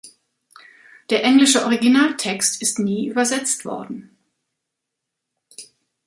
Der englische Originaltext ist nie übersetzt worden.